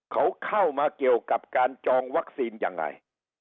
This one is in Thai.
เขาเข้ามาเกี่ยวกับการจองวัคซีนยังไง